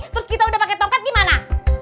terus kita udah pakai tongkat gimana